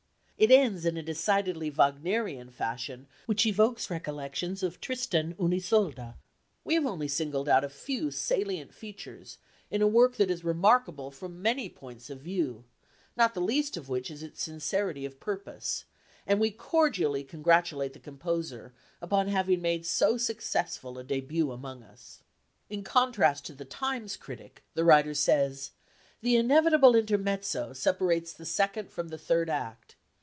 It ends in a decidedly Wagnerian fashion which evokes recollections of Tristan und Isolde. We have only singled out a few salient features in a work that is remarkable from many points of view, not the least of which is its sincerity of purpose, and we cordially congratulate the composer upon having made so successful a debut amongst us." In contrast to the Times critic, the writer says: "The inevitable intermezzo separates the second from the third act.